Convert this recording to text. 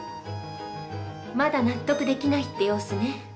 まだ納得できないって様子ね。